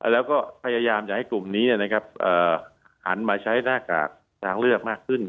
แล้วก็พยายามจะให้กลุ่มนี้หันมาใช้หน้ากากทางเลือกมากขึ้น